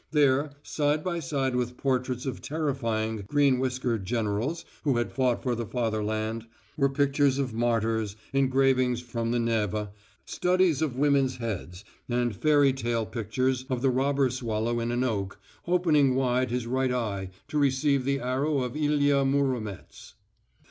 There, side by side with portraits of terrifying green whiskered generals who had fought for the fatherland, were pictures of martyrs, engravings from the Neva, studies of women's heads, and fairy tale pictures of the robber swallow in an oak, opening wide his right eye to receive the arrow of Ilya Muromets.